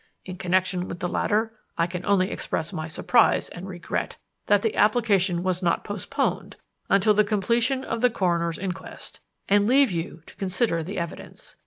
In connection with the latter I can only express my surprise and regret that the application was not postponed until the completion of the coroner's inquest, and leave you to consider the evidence.